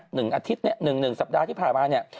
หนึ่งอาทิตย์เนี่ยหนึ่งหนึ่งสัปดาห์ที่ผ่านมาเนี่ย